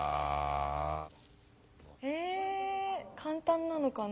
えぇ簡単なのかな。